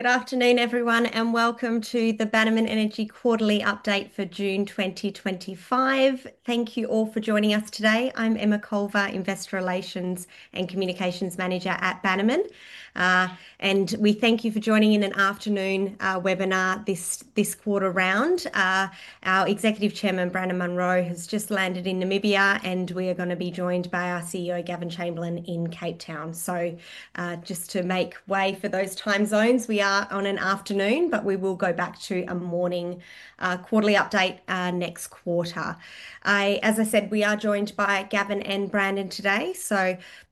Good afternoon, everyone, and welcome to the Bannerman Energy Quarterly Update for June 2025. Thank you all for joining us today. I'm Emma Culver, Investor Relations and Communications Manager at Bannerman. We thank you for joining in an afternoon webinar this quarter round. Our Executive Chairman, Brandon Munro, has just landed in Namibia, and we are going to be joined by our CEO, Gavin Chamberlain in Cape Town. To make way for those time zones, we are on an afternoon, but we will go back to a morning quarterly update next quarter. As I said, we are joined by Gavin and Brandon today.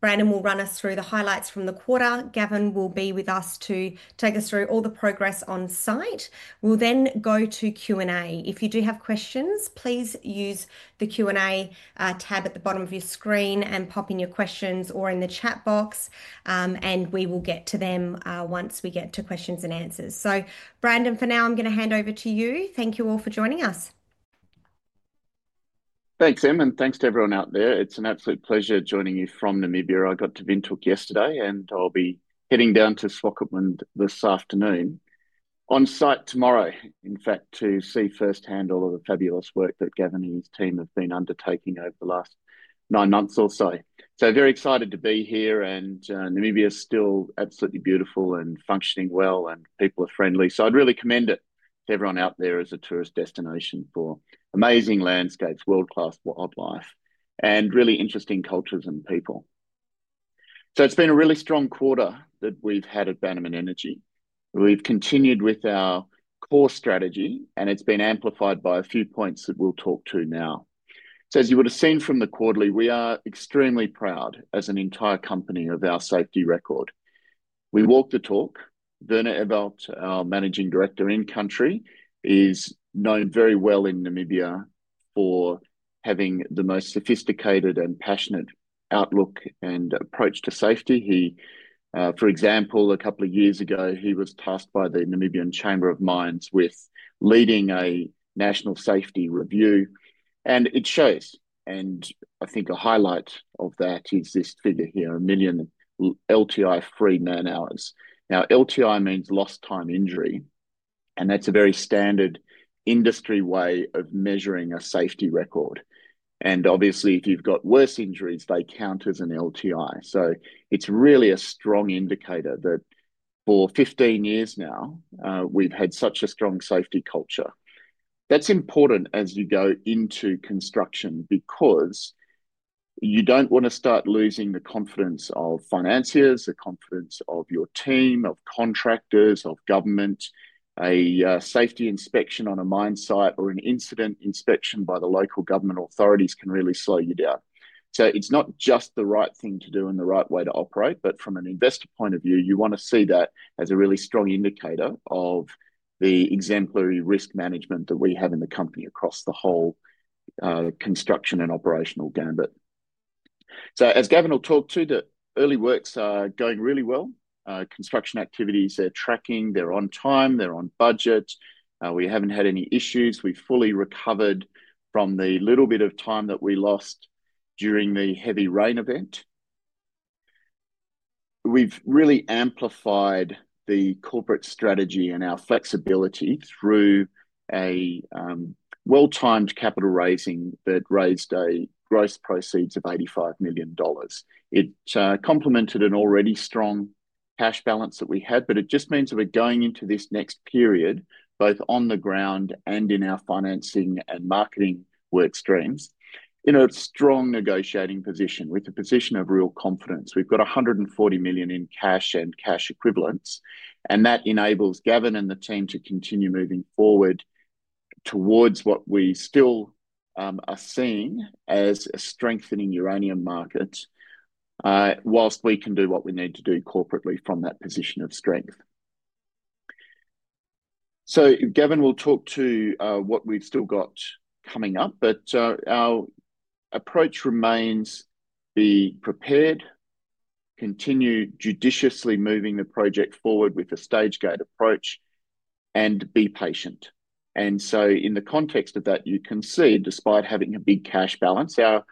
Brandon will run us through the highlights from the quarter. Gavin will be with us to take us through all the progress on site. We'll then go to Q&A. If you do have questions, please use the Q&A tab at the bottom of your screen and pop in your questions or in the chat box. We will get to them once we get to questions and answers. Brandon, for now, I'm going to hand over to you. Thank you all for joining us. Thanks, Em, and thanks to everyone out there. It's an absolute pleasure joining you from Namibia. I got to Windhoek yesterday, and I'll be heading down to Swakopmund this afternoon. On site tomorrow, in fact, to see firsthand all of the fabulous work that Gavin and his team have been undertaking over the last nine months or so. Very excited to be here, and Namibia is still absolutely beautiful and functioning well, and people are friendly. I'd really commend it to everyone out there as a tourist destination for amazing landscapes, world-class wildlife, and really interesting cultures and people. It's been a really strong quarter that we've had at Bannerman Energy. We've continued with our core strategy, and it's been amplified by a few points that we'll talk to now. As you would have seen from the quarterly, we are extremely proud as an entire company of our safety record. We walk the talk. Werner Ewald, our Managing Director in-country, is known very well in Namibia for having the most sophisticated and passionate outlook and approach to safety. For example, a couple of years ago, he was tasked by the Namibian Chamber of Mines with leading a national safety review. It shows, and I think a highlight of that is this figure here, a million LTI-free man hours. LTI means lost time injury, and that's a very standard industry way of measuring a safety record. Obviously, if you've got worse injuries, they count as an LTI. It's really a strong indicator that for 15 years now, we've had such a strong safety culture. That's important as you go into construction because you don't want to start losing the confidence of financiers, the confidence of your team, of contractors, of government. A safety inspection on a mine site or an incident inspection by the local government authorities can really slow you down. It's not just the right thing to do and the right way to operate, but from an investor point of view, you want to see that as a really strong indicator of the exemplary risk management that we have in the company across the whole construction and operational gambit. As Gavin will talk to, the early works are going really well. Construction activities, they're tracking, they're on time, they're on budget. We haven't had any issues. We've fully recovered from the little bit of time that we lost during the heavy rain event. We've really amplified the corporate strategy and our flexibility through a well-timed capital raising that raised gross proceeds of $85 million. It complemented an already strong cash balance that we had, but it just means that we're going into this next period, both on the ground and in our financing and marketing workstreams, in a strong negotiating position with a position of real confidence. We've got $140 million in cash and cash equivalents, and that enables Gavin and the team to continue moving forward towards what we still are seeing as a strengthening uranium market, whilst we can do what we need to do corporately from that position of strength. Gavin will talk to what we've still got coming up, but our approach remains to be prepared, continue judiciously moving the project forward with a stage-gate approach, and be patient. In the context of that, you can see, despite having a big cash balance, our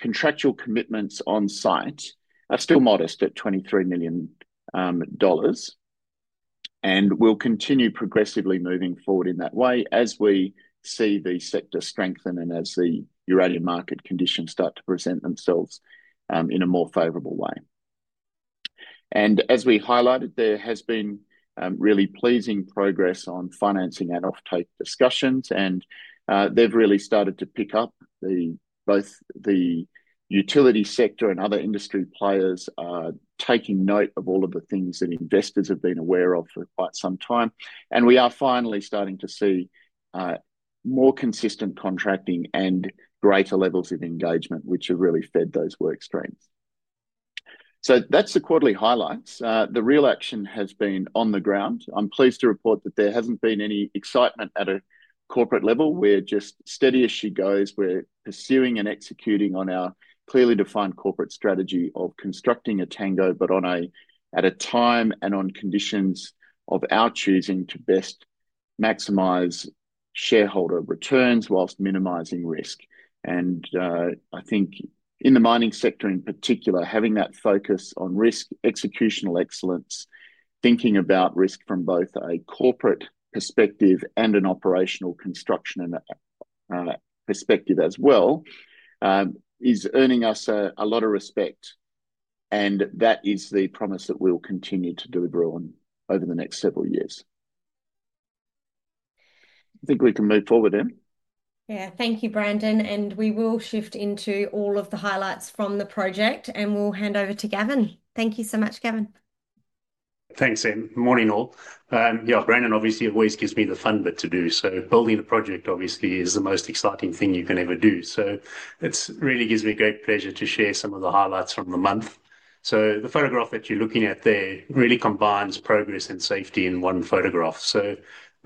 contractual commitments on site are still modest at $23 million, and we'll continue progressively moving forward in that way as we see the sector strengthen and as the uranium market conditions start to present themselves in a more favorable way. As we highlighted, there has been really pleasing progress on financing and off-take discussions, and they've really started to pick up. Both the utility sector and other industry players are taking note of all of the things that investors have been aware of for quite some time, and we are finally starting to see more consistent contracting and greater levels of engagement, which have really fed those workstreams. That's the quarterly highlights. The real action has been on the ground. I'm pleased to report that there hasn't been any excitement at a corporate level. We're just steady as she goes. We're pursuing and executing on our clearly defined corporate strategy of constructing Etango, but one at a time and on conditions of our choosing to best maximize shareholder returns whilst minimizing risk. I think in the mining sector in particular, having that focus on risk, executional excellence, thinking about risk from both a corporate perspective and an operational construction perspective as well, is earning us a lot of respect. That is the promise that we'll continue to deliver on over the next several years. I think we can move forward, Em. Thank you, Brandon. We will shift into all of the highlights from the project, and we'll hand over to Gavin. Thank you so much, Gavin. Thanks, Em. Morning all. Yeah, Brandon obviously always gives me the fun bit to do. Building the project obviously is the most exciting thing you can ever do. It really gives me great pleasure to share some of the highlights from the month. The photograph that you're looking at there really combines progress and safety in one photograph.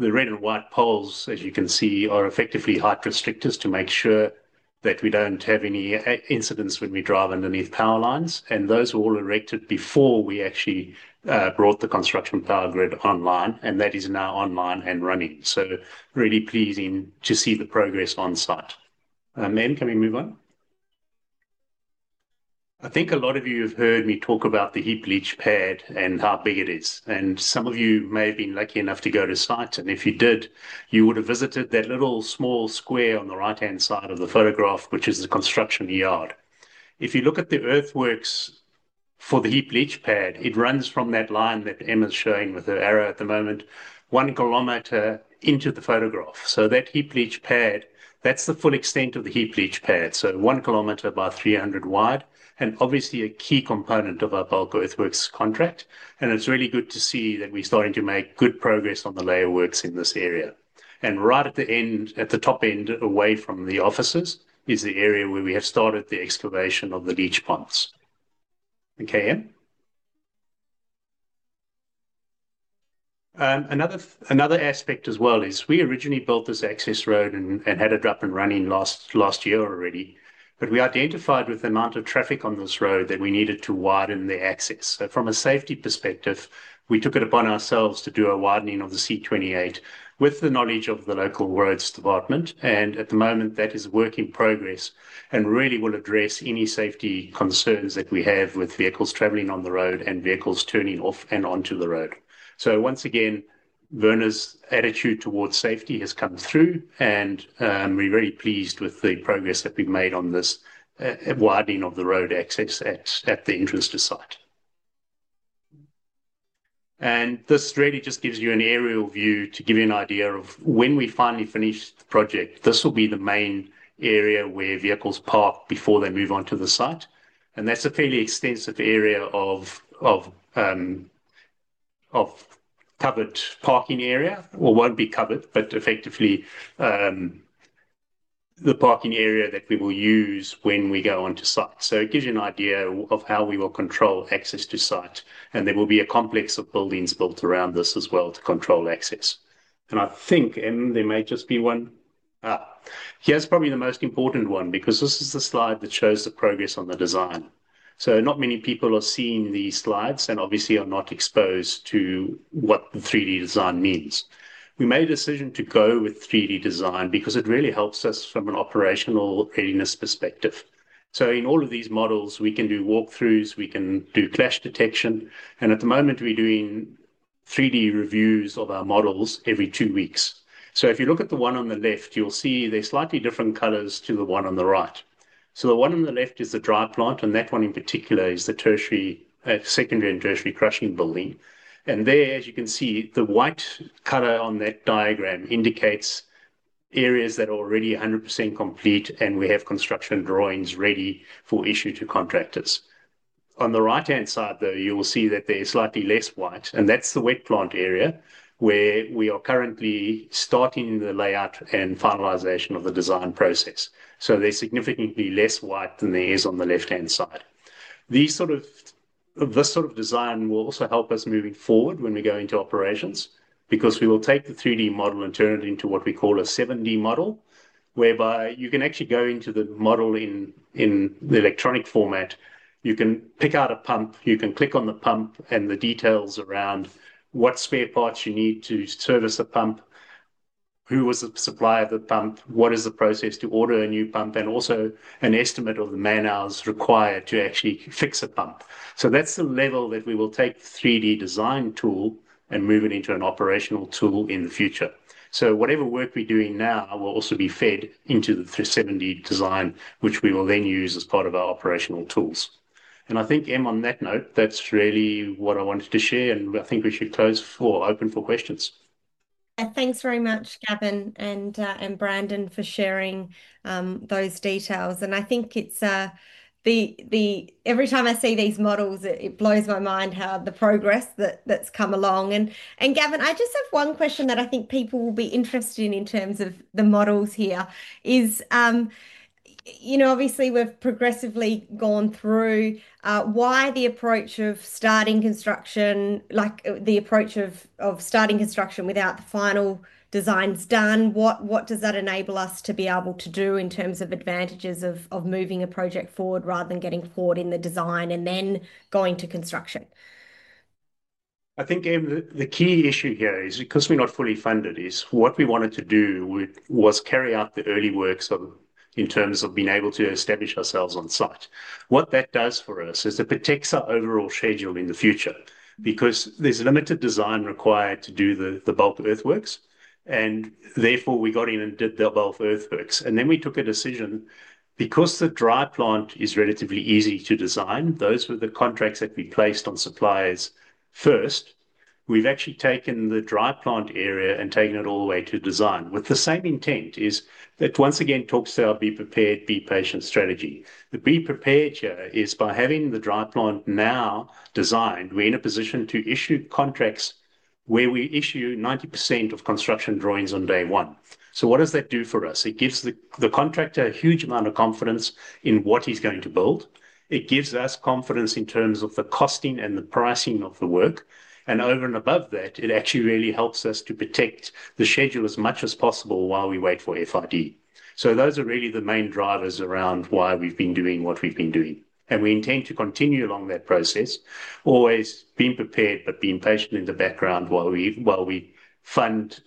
The red and white poles, as you can see, are effectively height restrictors to make sure that we don't have any incidents when we drive underneath power lines. Those were all erected before we actually brought the construction power grid online, and that is now online and running. It's really pleasing to see the progress on site. Em, can we move on? I think a lot of you have heard me talk about the heap leach pad and how big it is. Some of you may have been lucky enough to go to site, and if you did, you would have visited that little small square on the right-hand side of the photograph, which is a construction yard. If you look at the earthworks for the heap leach pad, it runs from that line that Em is showing with her arrow at the moment, 1 km into the photograph. That heap leach pad, that's the full extent of the heap leach pad. One km by 300 wide, and obviously a key component of our bulk earthworks contract. It's really good to see that we're starting to make good progress on the layer works in this area. Right at the end, at the top end away from the offices, is the area where we have started the excavation of the leach ponds. Another aspect as well is we originally built this access road and had it up and running last year already, but we identified with the amount of traffic on this road that we needed to widen the access. From a safety perspective, we took it upon ourselves to do a widening of the C28 with the knowledge of the local roads department. At the moment, that is a work in progress and really will address any safety concerns that we have with vehicles traveling on the road and vehicles turning off and onto the road. Once again, Werner's attitude towards safety has come through, and we're very pleased with the progress that we've made on this widening of the road access at the entrance of site. This really just gives you an aerial view to give you an idea of when we finally finish the project. This will be the main area where vehicles park before they move onto the site. That's a fairly extensive area of parking area. It won't be covered, but effectively the parking area that we will use when we go onto site. It gives you an idea of how we will control access to site. There will be a complex of buildings built around this as well to control access. I think, Em, there may just be one. Here's probably the most important one because this is the slide that shows the progress on the design. Not many people are seeing these slides and obviously are not exposed to what the 3D design means. We made a decision to go with 3D design because it really helps us from an operational readiness perspective. In all of these models, we can do walk-throughs, we can do crash detection, and at the moment, we're doing 3D reviews of our models every two weeks. If you look at the one on the left, you'll see there's slightly different colors to the one on the right. The one on the left is the dry plant, and that one in particular is the secondary and tertiary crushing building. As you can see, the white color on that diagram indicates areas that are already 100% complete, and we have construction drawings ready for issue to contractors. On the right-hand side, you will see that there's slightly less white, and that's the wet plant area where we are currently starting the layout and finalization of the design process. There's significantly less white than there is on the left-hand side. This sort of design will also help us moving forward when we go into operations because we will take the 3D model and turn it into what we call a 7D model, whereby you can actually go into the model in the electronic format. You can pick out a pump, you can click on the pump, and the details around what spare parts you need to service the pump, who was the supplier of the pump, what is the process to order a new pump, and also an estimate of the man hours required to actually fix a pump. That's the level that we will take the 3D design tool and move it into an operational tool in the future. Whatever work we're doing now will also be fed into the 3D design, which we will then use as part of our operational tools. I think, Emma, on that note, that's really what I wanted to share, and I think we should close for open for questions. Thanks very much, Gavin and Brandon, for sharing those details. I think it's, every time I see these models, it blows my mind how the progress that's come along. Gavin, I just have one question that I think people will be interested in in terms of the models here. Is, you know, obviously we've progressively gone through, why the approach of starting construction, like the approach of starting construction without the final designs done, what does that enable us to be able to do in terms of advantages of moving a project forward rather than getting forward in the design and then going to construction? I think, Em, the key issue here is because we're not fully funded, what we wanted to do was carry out the early works in terms of being able to establish ourselves on site. What that does for us is it protects our overall schedule in the future because there's limited design required to do the bulk earthworks, and therefore we got in and did the bulk earthworks. We took a decision because the dry plant is relatively easy to design. Those were the contracts that we placed on suppliers first. We've actually taken the dry plant area and taken it all the way to design with the same intent, that once again talks about be prepared, be patient strategy. The be prepared here is by having the dry plant now designed, we're in a position to issue contracts where we issue 90% of construction drawings on day one. What does that do for us? It gives the contractor a huge amount of confidence in what he's going to build. It gives us confidence in terms of the costing and the pricing of the work. Over and above that, it actually really helps us to protect the schedule as much as possible while we wait for FID. Those are really the main drivers around why we've been doing what we've been doing. We intend to continue along that process, always being prepared, but being patient in the background while we fund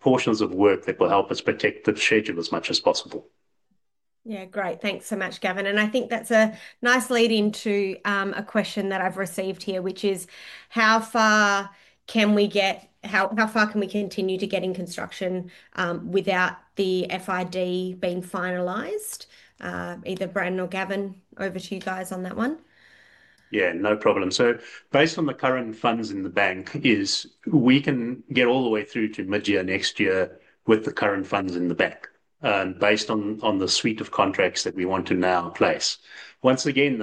portions of work that will help us protect the schedule as much as possible. Yeah, great. Thanks so much, Gavin. I think that's a nice lead into a question that I've received here, which is how far can we get, how far can we continue to get in construction without the final investment decision being finalized? Either Brandon or Gavin, over to you guys on that one. Yeah, no problem. Based on the current funds in the bank, we can get all the way through to mid-year next year with the current funds in the bank, and based on the suite of contracts that we want to now place. Once again,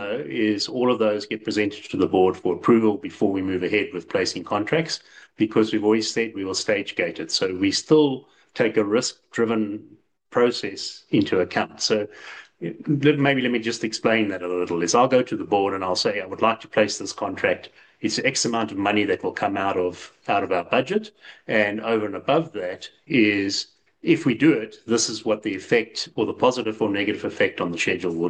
all of those get presented to the board for approval before we move ahead with placing contracts because we've always said we will stage gate it. We still take a risk-driven process into account. Maybe let me just explain that a little. I'll go to the board and I'll say, I would like to place this contract. It's X amount of money that will come out of our budget. Over and above that, if we do it, this is what the effect or the positive or negative effect on the schedule will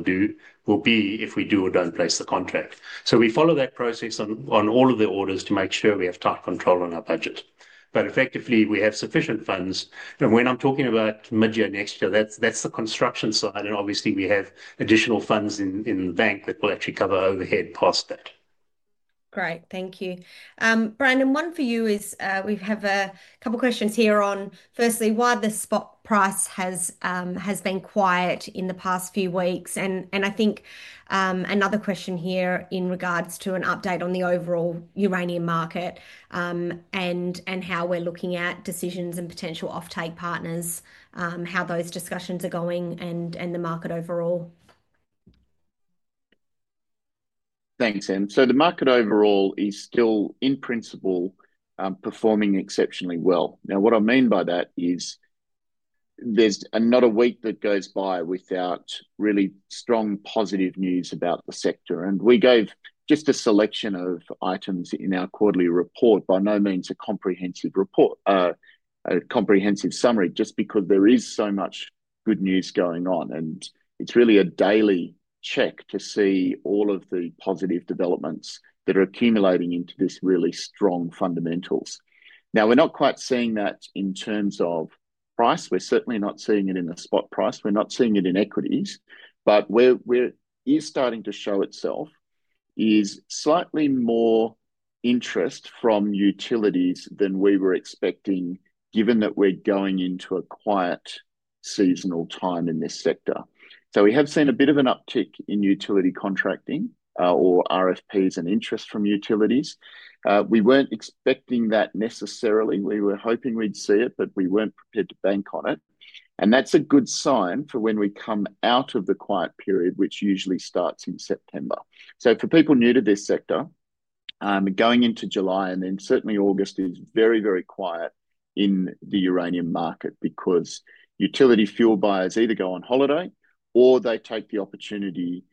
be if we do or don't place the contract. We follow that process on all of the orders to make sure we have tight control on our budget. Effectively, we have sufficient funds. When I'm talking about mid-year next year, that's the construction side. Obviously, we have additional funds in the bank that will actually cover overhead past that. Great, thank you. Brandon, one for you is we have a couple of questions here on, firstly, why the spot price has been quiet in the past few weeks. I think another question here in regards to an update on the overall uranium market and how we're looking at decisions and potential off-take partners, how those discussions are going and the market overall. Thanks, Em. The market overall is still in principle performing exceptionally well. What I mean by that is there's not a week that goes by without really strong positive news about the sector. We gave just a selection of items in our quarterly report, by no means a comprehensive summary, just because there is so much good news going on. It's really a daily check to see all of the positive developments that are accumulating into this really strong fundamentals. We're not quite seeing that in terms of price. We're certainly not seeing it in the spot price. We're not seeing it in equities. Where it is starting to show itself is slightly more interest from utilities than we were expecting, given that we're going into a quiet seasonal time in this sector. We have seen a bit of an uptick in utility contracting or RFPs and interest from utilities. We weren't expecting that necessarily. We were hoping we'd see it, but we weren't prepared to bank on it. That's a good sign for when we come out of the quiet period, which usually starts in September. For people new to this sector, going into July and then certainly August is very, very quiet in the uranium market because utility fuel buyers either go on holiday or they take the opportunity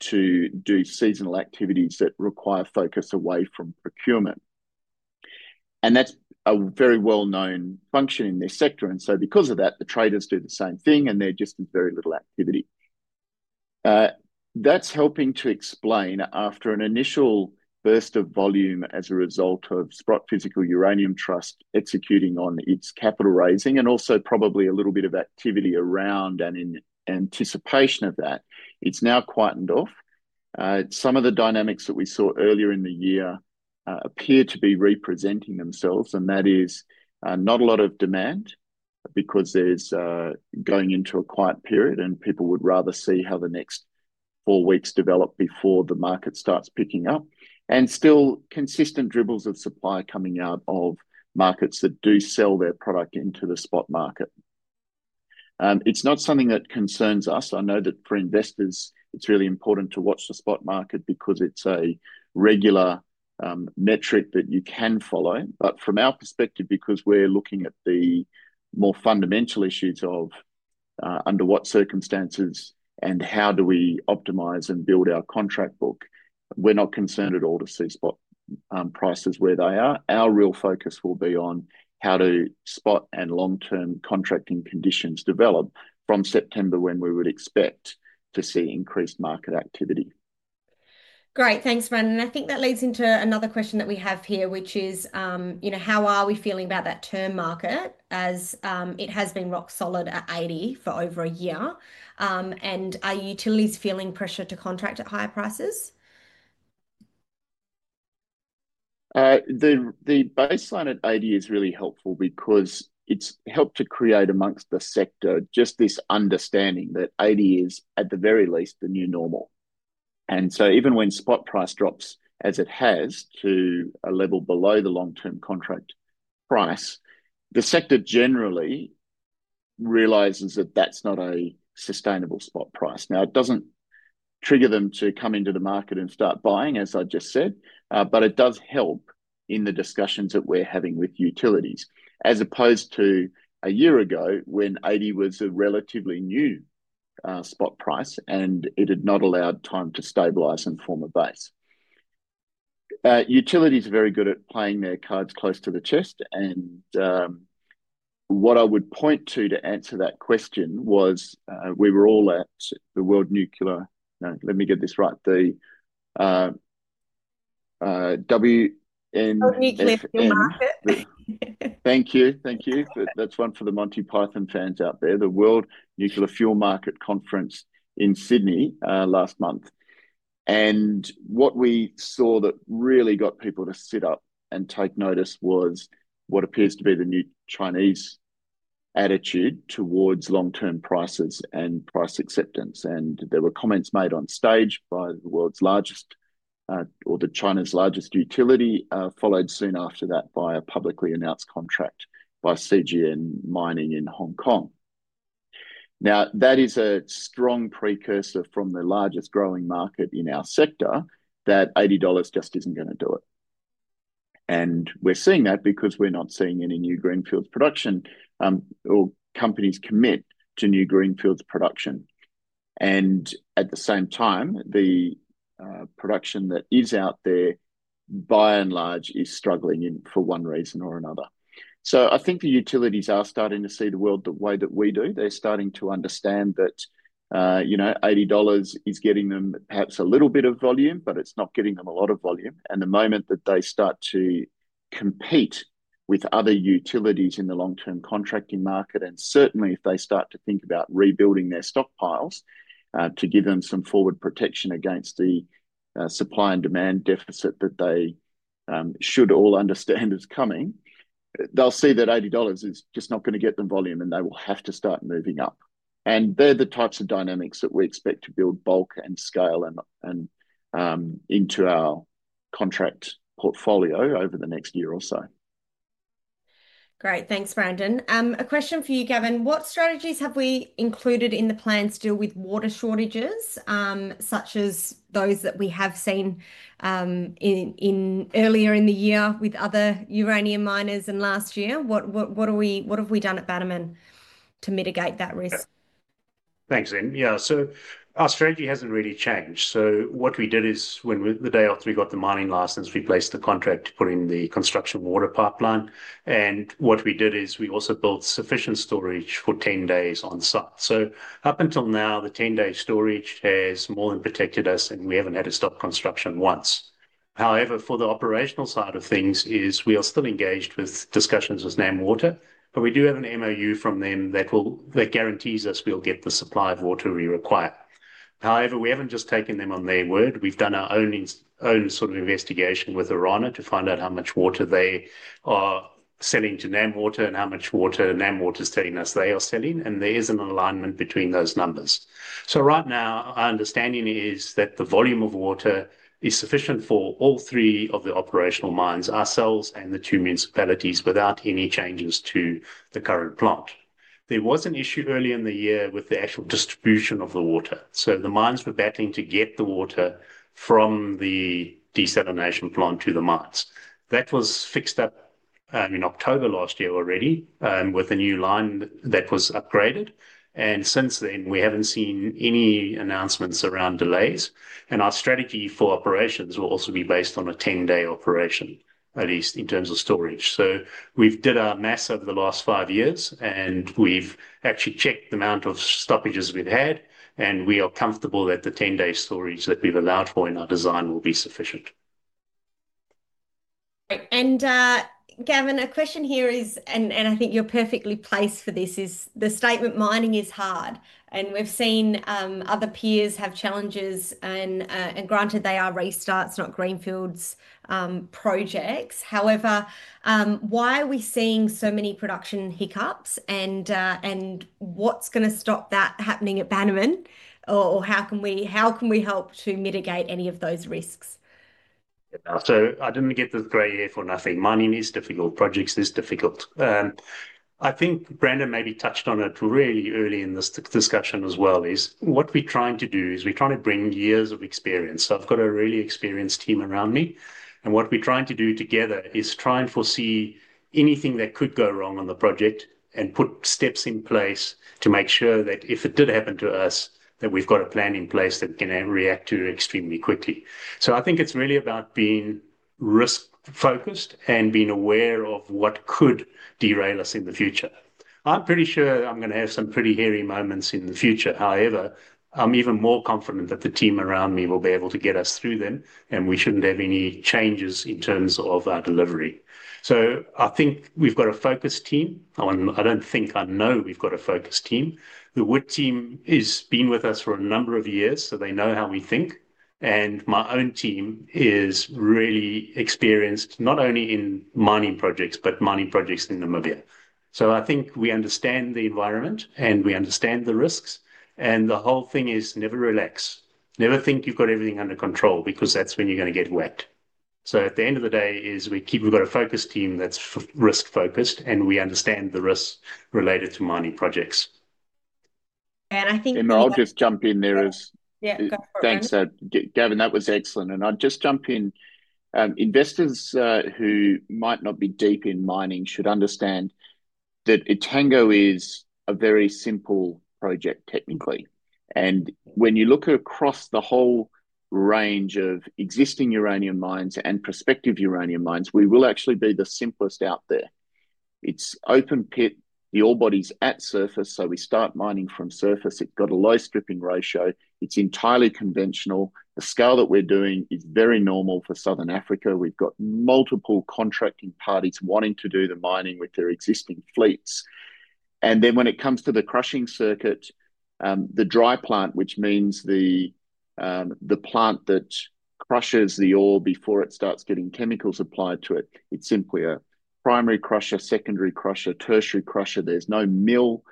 to do seasonal activities that require focus away from procurement. That's a very well-known function in this sector. Because of that, the traders do the same thing and there just is very little activity. That's helping to explain after an initial burst of volume as a result of Sprott Physical Uranium Trust executing on its capital raising and also probably a little bit of activity around and in anticipation of that, it's now quietened off. Some of the dynamics that we saw earlier in the year appear to be representing themselves. That is, not a lot of demand because there's going into a quiet period and people would rather see how the next four weeks develop before the market starts picking up and still consistent dribbles of supply coming out of markets that do sell their product into the spot market. It's not something that concerns us. I know that for investors, it's really important to watch the spot market because it's a regular metric that you can follow. From our perspective, because we're looking at the more fundamental issues of under what circumstances and how do we optimize and build our contract book, we're not concerned at all to see spot prices where they are. Our real focus will be on how do spot and long-term contracting conditions develop from September when we would expect to see increased market activity. Great, thanks, Brandon. I think that leads into another question that we have here, which is, you know, how are we feeling about that term market as it has been rock solid at $80 for over a year? Are utilities feeling pressure to contract at higher prices? The baseline at $80 is really helpful because it's helped to create amongst the sector just this understanding that $80 is at the very least the new normal. Even when spot price drops, as it has to a level below the long-term contract price, the sector generally realizes that that's not a sustainable spot price. It doesn't trigger them to come into the market and start buying, as I just said, but it does help in the discussions that we're having with utilities. As opposed to a year ago when $80 was a relatively new spot price and it had not allowed time to stabilize and form a base. Utilities are very good at playing their cards close to the chest. What I would point to to answer that question was we were all at the World Nuclear, no, let me get this right, the WNF. Nuclear Fuel Market. Thank you, thank you. That's one for the Monty Python fans out there, the World Nuclear Fuel Market Conference in Sydney last month. What we saw that really got people to sit up and take notice was what appears to be the new Chinese attitude towards long-term prices and price acceptance. There were comments made on stage by China's largest utility, followed soon after that by a publicly announced contract by CGN Mining in Hong Kong. That is a strong precursor from the largest growing market in our sector that $80 just isn't going to do it. We're seeing that because we're not seeing any new greenfields production, or companies commit to new greenfields production. At the same time, the production that is out there, by and large, is struggling in for one reason or another. I think the utilities are starting to see the world the way that we do. They're starting to understand that, you know, $80 is getting them perhaps a little bit of volume, but it's not getting them a lot of volume. The moment that they start to compete with other utilities in the long-term contracting market, and certainly if they start to think about rebuilding their stockpiles, to give them some forward protection against the supply and demand deficit that they should all understand is coming, they'll see that $80 is just not going to get them volume and they will have to start moving up. They're the types of dynamics that we expect to build bulk and scale into our contract portfolio over the next year or so. Great, thanks, Brandon. A question for you, Gavin. What strategies have we included in the plans to deal with water shortages, such as those that we have seen earlier in the year with other uranium miners in last year? What have we done at Bannerman to mitigate that risk? Thanks, Em. Yeah, so our strategy hasn't really changed. What we did is when the day after we got the mining license, we placed the contract to put in the construction water pipeline. What we did is we also built sufficient storage for 10 days on site. Up until now, the 10-day storage has more than protected us and we haven't had to stop construction once. However, for the operational side of things, we are still engaged with discussions with NamWater, but we do have an MOU from them that guarantees us we'll get the supply of water we require. However, we haven't just taken them on their word. We've done our own sort of investigation with Arana to find out how much water they are selling to NamWater and how much water NamWater is telling us they are selling. There's an alignment between those numbers. Right now, our understanding is that the volume of water is sufficient for all three of the operational mines, ourselves and the two municipalities, without any changes to the current plant. There was an issue earlier in the year with the actual distribution of the water. The mines were battling to get the water from the desalination plant to the mines. That was fixed up in October last year already with a new line that was upgraded. Since then, we haven't seen any announcements around delays. Our strategy for operations will also be based on a 10-day operation, at least in terms of storage. We've did our math over the last five years and we've actually checked the amount of stoppages we've had and we are comfortable that the 10-day storage that we've allowed for in our design will be sufficient. Gavin, a question here is, and I think you're perfectly placed for this, is the statement mining is hard. We've seen other peers have challenges and granted they are restarts, not greenfields projects. However, why are we seeing so many production hiccups and what's going to stop that happening at Bannerman or how can we help to mitigate any of those risks? I didn't get this gray hair for nothing. Mining is difficult, projects are difficult. I think Brandon maybe touched on it really early in this discussion as well. What we're trying to do is bring years of experience. I've got a really experienced team around me and what we're trying to do together is try and foresee anything that could go wrong on the project and put steps in place to make sure that if it did happen to us, we've got a plan in place that can react to it extremely quickly. I think it's really about being risk-focused and being aware of what could derail us in the future. I'm pretty sure I'm going to have some pretty hairy moments in the future. However, I'm even more confident that the team around me will be able to get us through them and we shouldn't have any changes in terms of our delivery. I think we've got a focused team. I don't think, I know we've got a focused team. The Wood team has been with us for a number of years, so they know how we think. My own team is really experienced not only in mining projects, but mining projects in Namibia. I think we understand the environment and we understand the risks. The whole thing is never relax. Never think you've got everything under control because that's when you're going to get whacked. At the end of the day, we've got a focused team that's risk-focused and we understand the risks related to mining projects. I think. I'll just jump in there as. Yeah, go for it. Thanks, Gavin. That was excellent. I'll just jump in. Investors who might not be deep in mining should understand that Etango is a very simple project technically. When you look across the whole range of existing uranium mines and prospective uranium mines, we will actually be the simplest out there. It's open pit, the ore body's at surface, so we start mining from surface. It's got a low stripping ratio. It's entirely conventional. The scale that we're doing is very normal for Southern Africa. We've got multiple contracting parties wanting to do the mining with their existing fleets. When it comes to the crushing circuit, the dry plant, which means the plant that crushes the ore before it starts getting chemicals applied to it, it's simply a primary crusher, secondary crusher, tertiary crusher. There's no mill.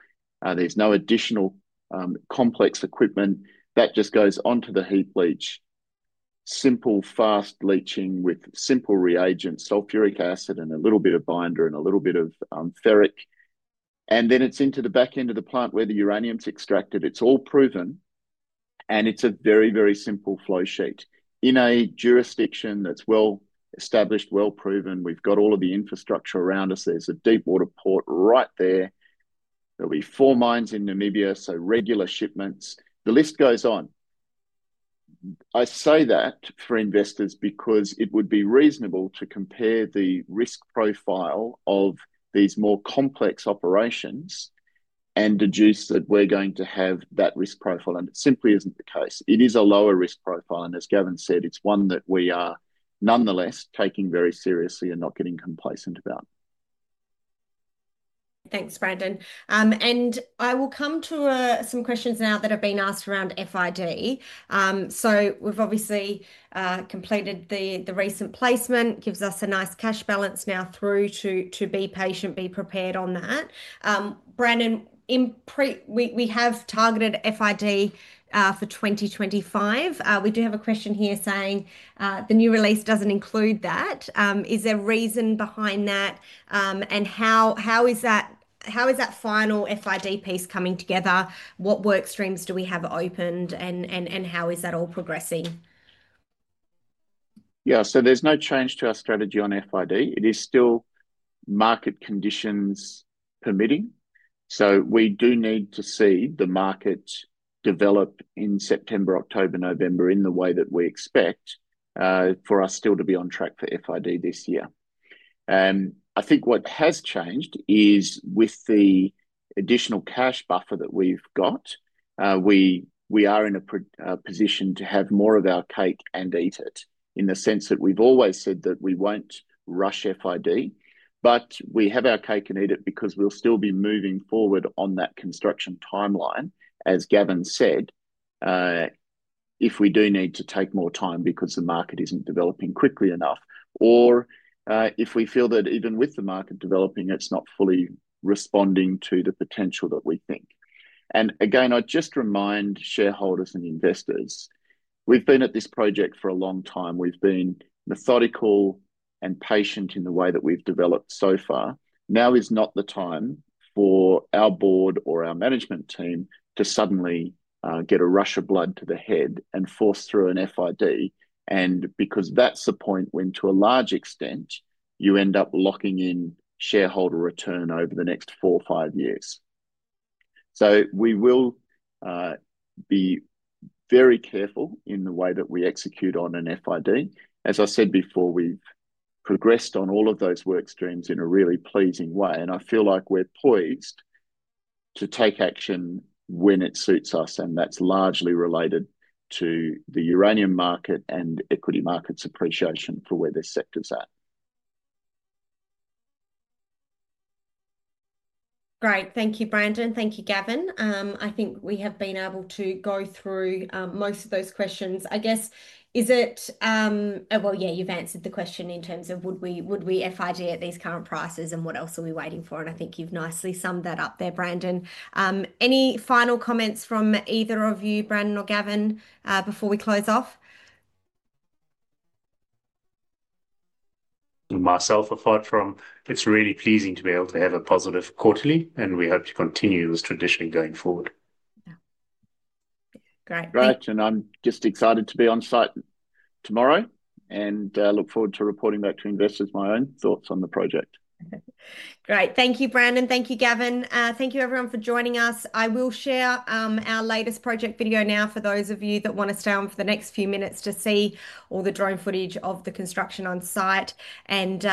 There's no additional complex equipment. That just goes onto the heap leach. Simple, fast leaching with simple reagents, sulfuric acid and a little bit of binder and a little bit of ferric. Then it's into the back end of the plant where the uranium's extracted. It's all proven. It's a very, very simple flow sheet. In a jurisdiction that's well established, well proven, we've got all of the infrastructure around us. There's a deep water port right there. There'll be four mines in Namibia, so regular shipments. The list goes on. I say that for investors because it would be reasonable to compare the risk profile of these more complex operations and deduce that we're going to have that risk profile. It simply isn't the case. It is a lower risk profile. As Gavin said, it's one that we are nonetheless taking very seriously and not getting complacent about. Thanks, Brandon. I will come to some questions now that have been asked around FID. We've obviously completed the recent placement. It gives us a nice cash balance now to be patient, be prepared on that. Brandon, we have targeted FID for 2025. We do have a question here saying the new release doesn't include that. Is there a reason behind that? How is that final FID piece coming together? What workstreams do we have opened? How is that all progressing? Yeah, so there's no change to our strategy on FID. It is still market conditions permitting. We do need to see the market develop in September, October, November in the way that we expect for us still to be on track for FID this year. What has changed is with the additional cash buffer that we've got, we are in a position to have more of our cake and eat it in the sense that we've always said that we won't rush FID. We have our cake and eat it because we'll still be moving forward on that construction timeline, as Gavin said, if we do need to take more time because the market isn't developing quickly enough, or if we feel that even with the market developing, it's not fully responding to the potential that we think. I just remind shareholders and investors, we've been at this project for a long time. We've been methodical and patient in the way that we've developed so far. Now is not the time for our Board or our management team to suddenly get a rush of blood to the head and force through an FID, because that's the point when, to a large extent, you end up locking in shareholder return over the next four or five years. We will be very careful in the way that we execute on an FID. As I said before, we've progressed on all of those workstreams in a really pleasing way, and I feel like we're poised to take action when it suits us, and that's largely related to the uranium market and equity markets appreciation for where this sector's at. Great, thank you, Brandon. Thank you, Gavin. I think we have been able to go through most of those questions. I guess, you've answered the question in terms of would we FID at these current prices and what else are we waiting for, and I think you've nicely summed that up there, Brandon. Any final comments from either of you, Brandon or Gavin, before we close off? Apart from, it's really pleasing to be able to have a positive quarterly, and we hope to continue this tradition going forward. Great. Great, I'm just excited to be on site tomorrow and look forward to reporting back to investors my own thoughts on the project. Great, thank you, Brandon. Thank you, Gavin. Thank you, everyone, for joining us. I will share our latest project video now for those of you that want to stay on for the next few minutes to see all the drone footage of the construction on site, and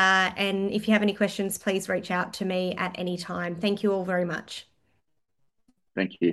if you have any questions, please reach out to me at any time. Thank you all very much. Thank you, Em.